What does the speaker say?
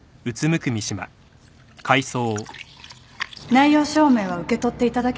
内容証明は受け取っていただけました？